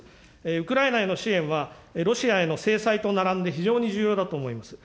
ウクライナへの支援は、ロシアへの制裁と並んで、非常に重要だと思います。